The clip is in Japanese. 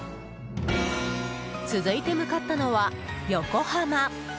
続いて、向かったのは横浜。